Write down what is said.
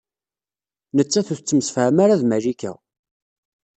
Nettat ur tettemsefham ed Malika